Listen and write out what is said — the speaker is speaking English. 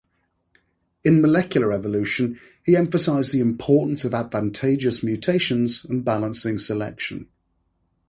In molecular evolution, he emphasized the importance of advantageous mutations and balancing selection.